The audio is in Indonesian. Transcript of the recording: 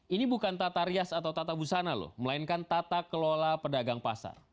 ini bukan tata rias atau tata busana loh melainkan tata kelola pedagang pasar